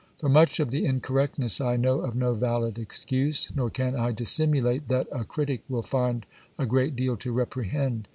For much of the incorrectness I know of no valid excuse, nor can I dissimulate that a critic will find a great deal to reprehend.